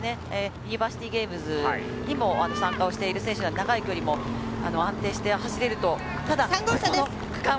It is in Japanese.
ユニバーシティゲームズにも参加をしている選手なので、長い距離も安定して走れると、ただこの区間は。